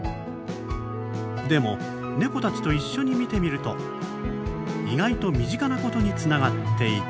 でもネコたちと一緒に見てみると意外と身近なことにつながっていた。